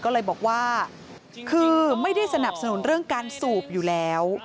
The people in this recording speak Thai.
ก็เลยบอกว่าคือไม่ได้สนับสนุนเรื่องการสูบอยู่แล้ว